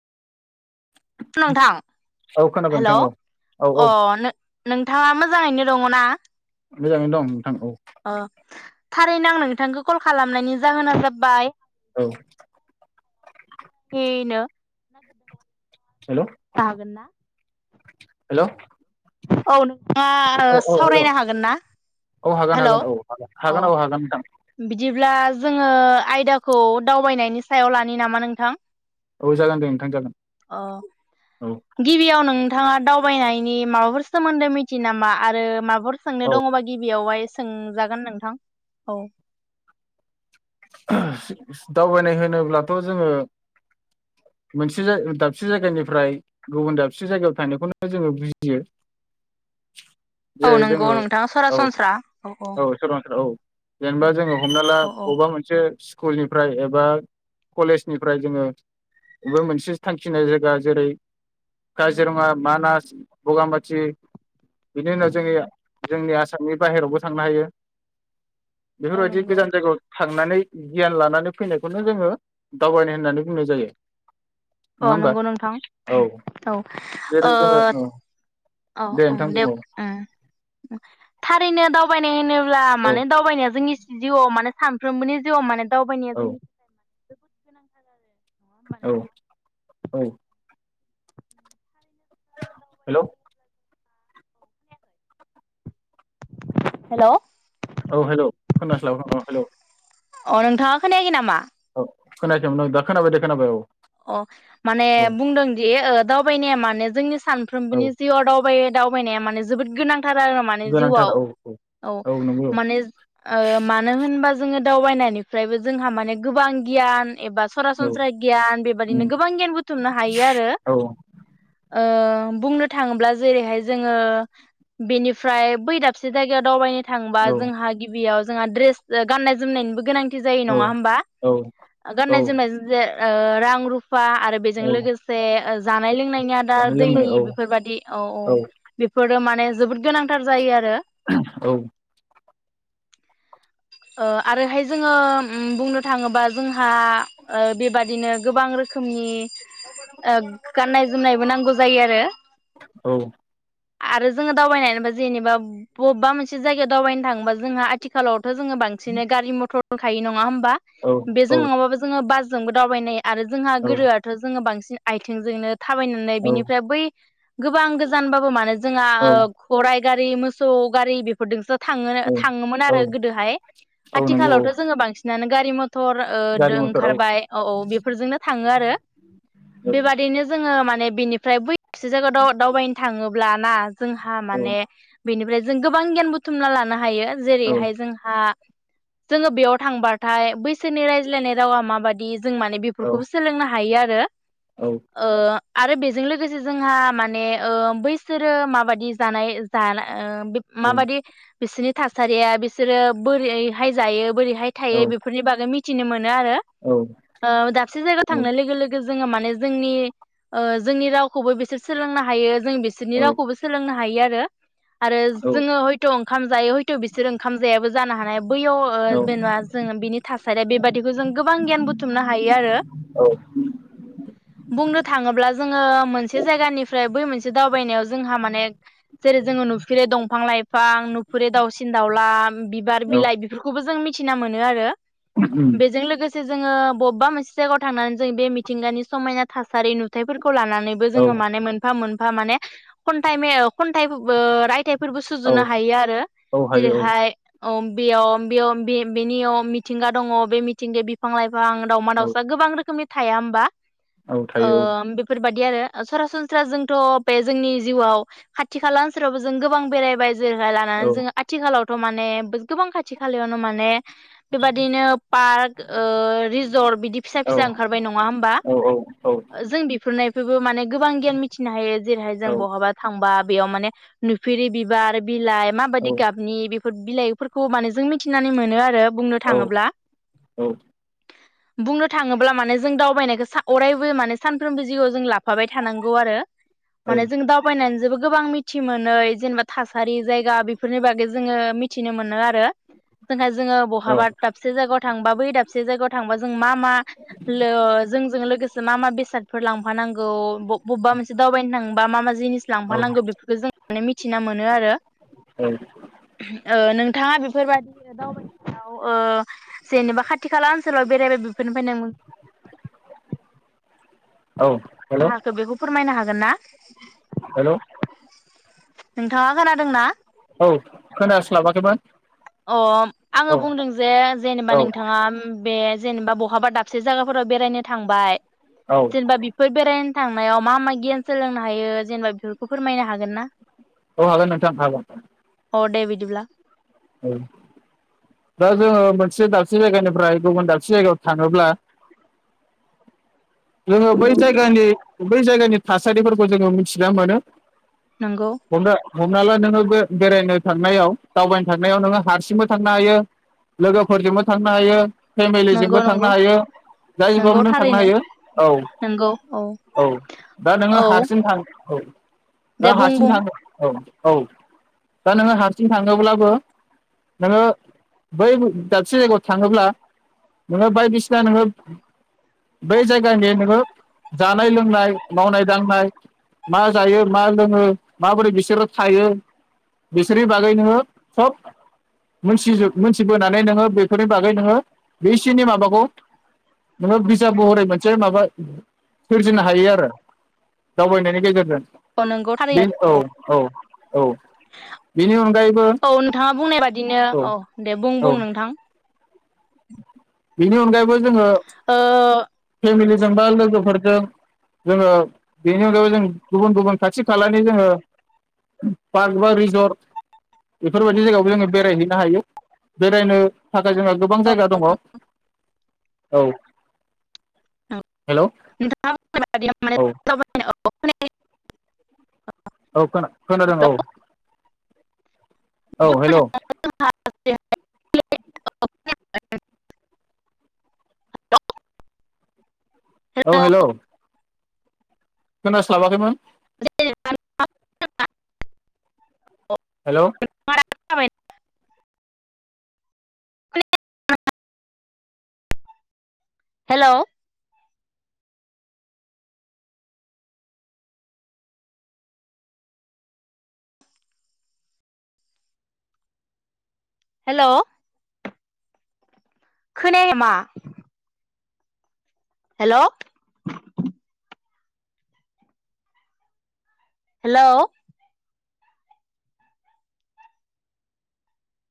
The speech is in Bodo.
नोंथां औ खोनाबाय नोंथां हेलौ औ औ औ अ नो-नोंथाङा मोजाङैनो दङना मोजाङै दं। थां औ अ थारैनो आं नोंथांखौ कल खालामनायनि जाहोना जाबाय औ इनो हेलौ दा गोनना? हेलौ औ नों थाङा ओ औ औ हेलौ सावरायनो हागोन ना औ हागोन हेलौ हागोन औ हागोन अ हागोन औ हागोन नोंथां बिदिब्ला ज जोङो आयदाखौ दावबायनायनि सायाव लानि नामा नोंथां? औ जागोन दे नोंथां जागोन। अ औ गिबियाव नों नोंथाङा दावबायनायनि माबाफोर सोमोन्दो मिथियो नामा आरो माबा फोर सोंनो औ दङबा गिबियावहाय सोंजागोन नोंथां औ ओहो दावबायनाय होनोब्लाथ जोङो मोनसे जाय दाबसे जायगानिफ्राय गुबुन दाबसे जायगायाव थानायखौनो जोङो बुजियो। औ जेरै नंगौ जोङो नोंथां औ सरासनस्रा औ सरानस्रा औ जेनेबा औ जोङो हमना ला औ औ अबेबा मोनसे स्कुलनिफ्राय एबा कलेजनिफ्राय जोङो बे मोनसे थांखिनाय जायगा जेरै काजिरङा, मानास, बगामाथि बिनि उनाव जोंनि जोंनि आसामनि बाहेरायावबो थांनो हायो। औ बेफोरबायदि नंगौ गोजान जायगायाव था थांनानै गियान लानानै फैनायखौनो जोङो दावबाय होननानै बुंनाय जायो। नङा अ होमबा नंगौ नोंथां उम औ औ जेरै ओ जोङो औ अ ओ दे उम नोंथां उम बुं औ था थारैनो दावबायनाय होनोब ब्ला माने दावबायनाया जोंनि जिउआव मानो सानफ्रोमबोनि जिउआव माने दावबायानाया औ जोंनि जोबोद गोनांथार आरो नङा औ औ होमबा नोंथां थारैनो हेलौ जोङो हेलौ औ हेलौ खोनास्लाबा औ हेल अ नोंथाङा खोनायाखै नामा औ खोनायाखैमोन दा खोनाबाय दे खोनाबाय औ अ माने औ बुंदोंदि ओ दावबायनाया मानो जोंनि सानफ्रोमबोनि औ जिउआव दावबाय दावबायनाया मानो जोबोद गोनां थार आरो माने गोनांथार जिउआव औ औ माने ओ मानो होनबा जोङो दावबायनायनिफ्रायबो जोंहा माने गोबां गियान एबा औ सरासनस्राय गियान बेफ फोरबायदिनो उम गोबां गियान बुथुमनो हायो आरो औ ओ ओ बुंनो थाङोब्ला जेरैहाय जोङो बेनिफ्राय बै दाबसे जायगायाव दावबायनो थांबा औ जोंहा गिबियाव जोंहा ड्रेस ओ गाननाय जोमनायनिबो गोनांथि जायो औ नङा होमबा औ ओ औ गाननाय जोमनायजों जे ओ रां फा आरो बेजों औ लोगोसे ओ जानाय लोंनायनिया आदार जानाय लोंनाय दैनि औ बेफोरबादि औ औ बेफोरो माने माने जोबोद गोनांथार जायो आरो ओहो औ ओ आरोहाय जोङो बुंनो थाङोबा जोंहा बेबादिनो गोबां रोखोमनि गाननाय जोमनायबो नांगौ जायो आरो। औ। आरो जोङो दावबाय होनोबा जेनेबा बबेबा मोनसे जायगायाव दावबायनो थाङोबा जोंहा आथिखालाव। जोङो बांसिन गारि मटर। दंखायो नङा होम बा बेजों नङाबाबो जोङो बाज जोंबो दावबायनो हायो। आरो जोंहा औ गोदोआथ जोङो बांसिन। आथिंजोंनो। थाबायनानै बिनिफ्राय बै। गोबां गोजानबाबो मानो। जोंहा औ खराय। गारि मोसौ गारि बेफोरदोंसो थांङो औ थाङोमोन औ आरो गोदो औ नंगौ औ आथिखालावथ जोङो बांसिनानो गारि म टर ओ दो गारि मथर ओंखारबाय औ औ बेफोरजोंनो थाङो आरो औ बेबादिनो जोङो माने बेनि फ्राय बै से जायगायावाव दावबायनो थाङो ब्लाना जोंहा माने बेनिफ्राय जों गोबां गियान बुथुमना लानो हायो। औ जेरैहाय जों हा जोङो बेयाव थांबाथाय बैसोरनि रायज्लायनाय रावा माबायदि जों माने औ बेफोरखौबो सोलोंनो हायो आर रो औ ओ आरो बेजों लोगोसे जोंहा माने ओ बैसोरो माबायदि जानाय ज [unintelligible] माबायदि बिसोरनि थासारिया बिस बिसोरो बोरैहाय जायो बोरै हाय औ थायो बेफोरनि बागै मि थिनो मोन नो आरो औ ओ दाबसे जायगायाव औ थांनाय लोगो लोगो जोङो माने जोंनि ओ जोंनि रावखौबो बिसोर सोलोंनो हायो। जों बिसोरनि रावखौबो सोलोंनो हायो आरो आरो जोङो हयथ ओंखाम जायो हयथ बिसोर ओं खाम जायाबो जानो हानाय बैयाव जेनेबा जोङो बिनि थासारिया बेबादिखौ जों गोबां गियान बुथुमनो हायो आरो बुंनो थाङोब्ला जोङो मोनसे जायगानिफ्राय बै मोनसे [unintelligible] जोंहा माने जेरै जोङो नुफेरै दंफां लाइफां नुफेरै दाउसिन दाउल बा बिबार बिलाइ बेफोरखौबो जों मिथ थिना मोनो आरो बेजों लोगो जोङो बबेबा मोनसे जायगायाव थांनानै जों बे मिथिंगानि समायना थासारि नुथायफोर खौ लानानैबो जोङो औ माने मोनफा मोनफा माने खनथाइ मे खनथाइबो राइथाय फोरबो औ सुजुनो हायो आरो औ हायो जेरैहाय औ बेयाव बेयाव बेनियाव मिथिंगा दङ बे मिथिंगाया बिफां लाइ गोबां दावमा औ औ दाउसा गोबां रोखोमनि थाया होनबा औ ओ थायो बेफोर बादि बिदि आरो सरासनस्रा जोंथ बे जोंनि जिउआव खाथि खाला ओसोलाव जों गोबां बेरायबाय औ [unintelligible] ओनसोलावथ माने गोबां खाथि खालायावनो माने बेबायदिनो पार्क रिजर्ट बिदि फिसा औ फिसा ओंखारबाय नङा होमबा औ जों बेफोर [unintelligible] गोबां गियान मिथिनो हायो जेरैहाय औ जों बहाबा थांबा। बेयाव माने नुफेरि बिबार बिलाइ औ माबादि बेफोर बिलाइफोरखौ माने जों मिथिनानै मोनो आरो बुंनो थाङोब्ला औ बुंनो थाङोब्ला माने जों दावबायनायखौ सा अरायबो माने सानफ्रोमबो जिउआव जों लाफाबाय थानांगौ आरो माने जों दाबायनान जोबो गोबां मिथि मोनै जेनेबा थासारि जायगा बे फोरनि बागै जोङो मिथिनो मोनो आ रो जोंहा जोङो औ बहाबा दाबसे जायगायाव थांबा बै दाबसे जायगायाव थांबा जों मा-मा लो जोंजों लोगोसे मा-मा बेसादफोर लांफानांगौ ब-बबेबा मोनसे दावबायनो थांबा मा-मा जिनिस लांफानांगौ बेफोरखौ जों माने मिथिना मोनो आरो [unintelligible] ओ नोंथाङा बेफोरबदि दावबायाव ओ जेनेबा खाथि खाला ओनसोलाव बेरायबाय बेफोरनिफ्राय नों हेल' [unintelligible] हाखो बेखौ फोरमायनो हागोन ना हेल' नोंथाङा खोनादोंना? औ खोनास्लाबाखैमोन। अ औ आङो बुंदों जे जेनेबा औ नोंथाङा बे जेनेबा बहाबा दाबसे जायगाफोराव बेरायनो थांबाय औ जेनेबा बिफोर बेरायन थांनायाव मा मा गियान सोलोंनो हायो जेनेबा बेफोरखौ फोरमायनो हागोन ना। औ हागोन नोंथां हागोन अ दे बिदिब्ला औ दा जोङो मोनसे दाबसे जायगानिफ्राय गुबुन दाबसे जायगायाव थाङोब्ला जोङो बै नंगौ जायगानि बै जायगानि थासारिफोरखौ जोङो मिथिना मोनो नोंगौ हमना हमना ला नोङो बे-बेरायनो थांनायाव दावबायनो थांनायाव नोङो हारसिंबो थांनो हायो लोगोफोरजोंबो थांनो हायो नंगौ फेमिलिजोंबो थांनो नंगौ हायो [unintelligible] नंगौ थांनो थारैनो हायो औ औ दा नोङो औ हारसिं थां औ दा दे बुं हारसिं बुं थां औ। औ दा नोङो हारसिं थाङोब्लाबो नोङो बै दाबसे जायगायाव थाङोब्ला नोङो बायदिसिना नोङो बै जाय गानि नोङो जानाय लोंनाय मावनाय दांनाय मा जायो मा लोङो माबोरै बिसोरो थायो बिसोरनि बागै नोङो सब मोनथिजो-मोनथिबोनानै नोङो बेफोरनि बागै नोङो बिसोरनि माबाखौ नोङो बिजाब महरै मोन से माबा सोरजिनो हायो आरो दावबायनायनि गेजेरजों- औ नोंगौ थारैनो औ औ बेनि अनगायैबो औ नोंथाङा बुंनाय बादिनो औ दे बुं बुं नोंथां? बिनि अनगायैबो जोङो ओ पेमिलि जोंबो लोगोफोरजों जोङो बेनि अनगायैबो जों गुबुन गुबुन खाथि खालानि जोङो पार्क बा रिजर्ट बेफोरबादि जायगायाव जों बेरायहैनो हायो बेरायनो थाखाय जोङो बां जायगा दङ औ नों हेल' [unintelligible] नोंथाङा औ [unintelligible] दावबायनायाव अख [unintelligible] औ खोन-खोनादों औ औ हेल' खोनायाखै औ हेलौ हेल' खोनास्लाबाखैमोन। हेल' हेल' हेल' खोनाया मा? हेल हेल